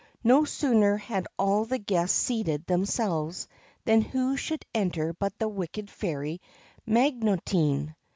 No sooner had all the guests seated themselves, than who should enter but the wicked fairy Magotine